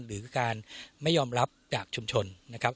หรือการไม่ยอมรับจากชุมชน